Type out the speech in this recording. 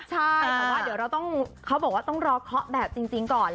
ใช่เขาบอกว่าต้องรอเคาะแบบจริงก่อน